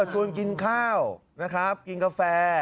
ชวนกินข้าวนะครับกินกาแฟ